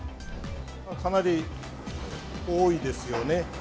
かなり多いですよね。